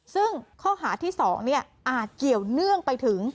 ซึ่งข้อหาที่๒อาจเกี่ยวเนื่องไปถึง